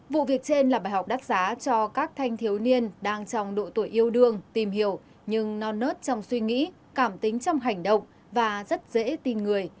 vụ việc trên là bài học đắt giá cho các thanh thiếu niên đang trong độ tuổi yêu đương tìm hiểu nhưng non nớt trong suy nghĩ cảm tính trong hành động và rất dễ tìm người